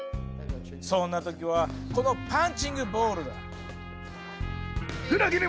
そんな時はこのパンチングボールだ。